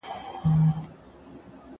زه موسيقي نه اورم!